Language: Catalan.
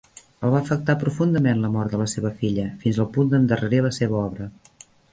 El va afectar profundament la mort de la seva filla fins al punt d'endarrerir la seva obra.